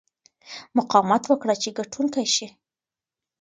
مقاومت وکړه چې ګټونکی شې.